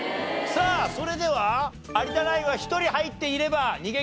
さあそれでは有田ナインは１人入っていれば逃げ切り。